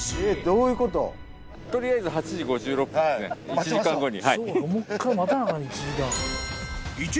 １時間後に。